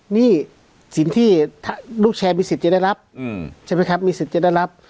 หนี้สินที่ถ้าลูกแชร์มีสิทธิ์จะได้รับใช่ไหมครับมีสิทธิ์จะได้รับ